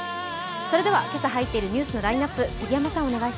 それでは今朝入っているニュースのラインナップ、杉山さん。